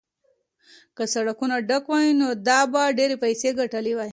که سړکونه ډک وای نو ده به ډېرې پیسې ګټلې وای.